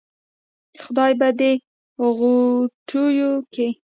خدا به دې ِغوټېو کې